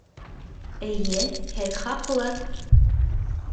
Эйе, һеҙ хаҡлы